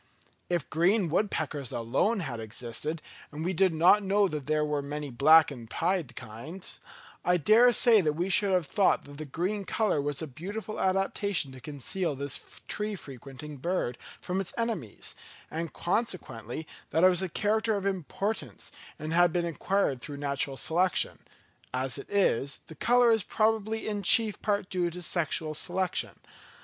If green woodpeckers alone had existed, and we did not know that there were many black and pied kinds, I dare say that we should have thought that the green colour was a beautiful adaptation to conceal this tree frequenting bird from its enemies; and consequently that it was a character of importance, and had been acquired through natural selection; as it is, the colour is probably in chief part due to sexual selection.